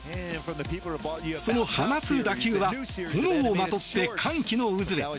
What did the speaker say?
その放つ打球は炎をまとって歓喜の渦へ。